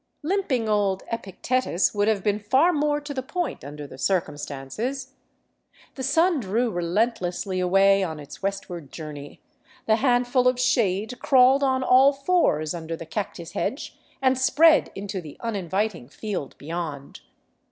Limping old Epictetus would have been far more to the point under the circumstances. The sun drew relentlessly away on its westward journey, the handful of shade crawled on all fours under the cactus hedge and spread into the uninviting field beyond.